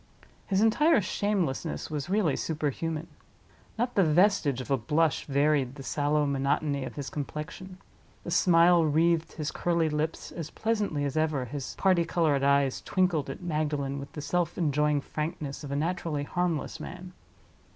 His entire shamelessness was really super human. Not the vestige of a blush varied the sallow monotony of his complexion; the smile wreathed his curly lips as pleasantly as ever his party colored eyes twinkled at Magdalen with the self enjoying frankness of a naturally harmless man.